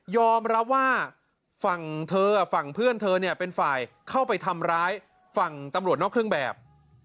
อมรับว่าฝั่งเธอฝั่งเพื่อนเธอเนี่ยเป็นฝ่ายเข้าไปทำร้ายฝั่งตำรวจนอกเครื่องแบบ